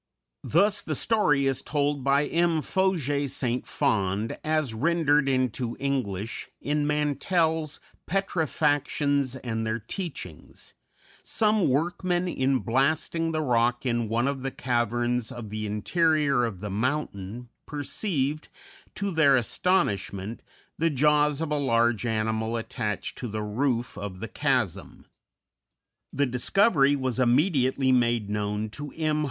Thus the story is told by M. Faujas St. Fond, as rendered into English, in Mantell's "Petrifactions and their Teachings": "Some workmen, in blasting the rock in one of the caverns of the interior of the mountain, perceived, to their astonishment, the jaws of a large animal attached to the roof of the chasm. The discovery was immediately made known to M.